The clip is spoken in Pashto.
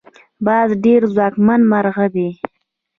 باز ډیر ځواکمن مرغه دی